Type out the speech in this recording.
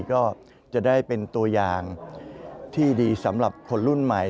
ก็จะได้เป็นตัวอย่างที่ดีสำหรับคนรุ่นใหม่